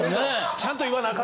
ちゃんと言わなあかん。